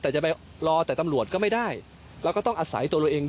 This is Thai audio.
แต่จะไปรอแต่ตำหลวดก็ไม่ได้แล้วก็ต้องอศัยตัวเอง